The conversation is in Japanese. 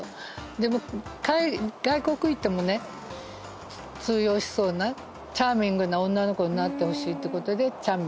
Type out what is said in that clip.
でも外国行ってもね通用しそうなチャーミングな女の子になってほしいって事で「茶美」。